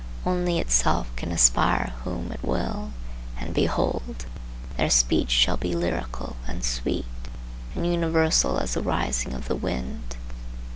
Only itself can inspire whom it will, and behold! their speech shall be lyrical, and sweet, and universal as the rising of the wind.